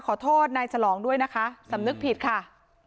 ขอโทษนายฉลองด้วยนะคะสำนึกผิดค่ะ